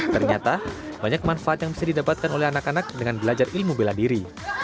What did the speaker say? ternyata banyak manfaat yang bisa didapatkan oleh anak anak dengan belajar ilmu bela diri